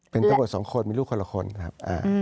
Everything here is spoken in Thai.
เป็นตำรวจสองคนมีลูกคนละคนครับ